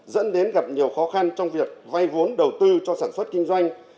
dẫn đến gặp nhiều khó khăn trong việc vay vốn đầu tư cho sản xuất kinh doanh